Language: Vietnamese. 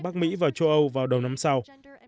bắc mỹ và châu âu vào đầu năm sau